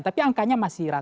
tapi angkanya masih rata